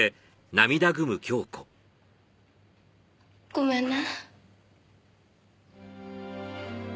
ごめんね。